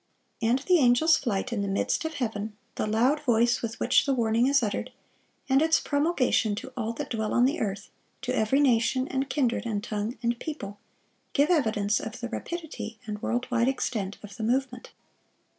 And the angel's flight "in the midst of heaven," the "loud voice" with which the warning is uttered, and its promulgation to all "that dwell on the earth,"—"to every nation, and kindred, and tongue, and people,"—give evidence of the rapidity and world wide extent of the movement.